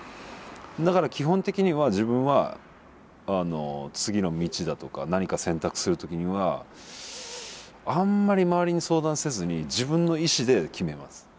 だから基本的には自分は次の道だとか何か選択する時にはあんまり周りに相談せずに自分の意志で決めます。